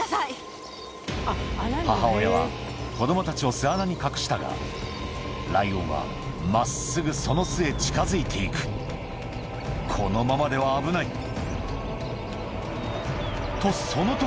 母親は子供たちを巣穴に隠したがライオンは真っすぐその巣へ近づいていくこのままでは危ないとその時